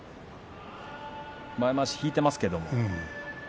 前まわしを引いていますけれど。